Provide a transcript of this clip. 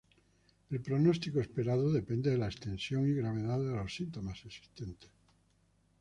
El pronóstico esperado depende de la extensión y gravedad de los síntomas existentes.